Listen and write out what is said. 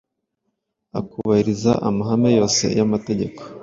akubahiriza amahame yose y’amategeko.